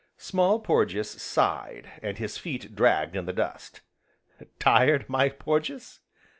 Small Porges sighed, and his feet dragged in the dust. "Tired, my Porges?"